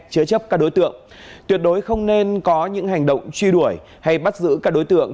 chứa chấp các đối tượng tuyệt đối không nên có những hành động truy đuổi hay bắt giữ các đối tượng